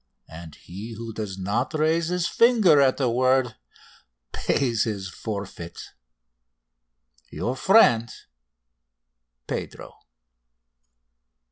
and he who does not raise his finger at the word pays his forfeit. Your friend, PEDRO."